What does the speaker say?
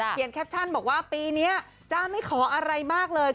เปลี่ยนแคปชั่นบอกว่าปีนี้จ๊ะไม่ขออะไรมากเลย